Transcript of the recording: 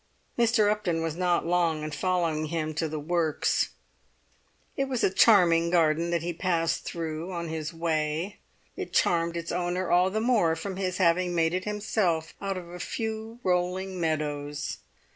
Mr. Upton was not long in following him to the works. It was a charming garden that he passed through on his way; it charmed its owner all the more from his having made it himself out of a few rolling meadows.